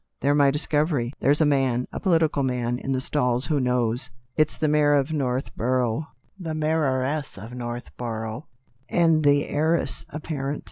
"They're my discovery. There's a man — a political man — in the stalls who knows. It's the mayor of North borough, the mayoress of Northborough, and the heiress apparent.